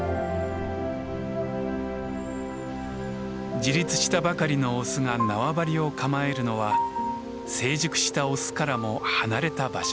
自立したばかりのオスが縄張りを構えるのは成熟したオスからも離れた場所です。